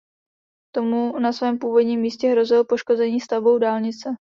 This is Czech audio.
Tomu na svém původním místě hrozilo poškození stavbou dálnice.